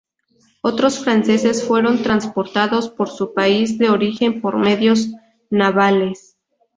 Otros franceses fueron transportados por su país de origen por medios navales.